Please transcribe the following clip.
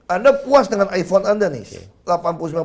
anda puas dengan iphone anda nih